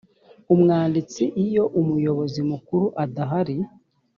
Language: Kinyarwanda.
umwanditsi iyo umuyobozi mukuru adahari